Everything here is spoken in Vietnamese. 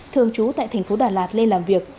thường trú tại thành phố đà lạt lên làm việc